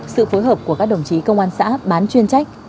sự phối hợp của các đồng chí công an xã bán chuyên trách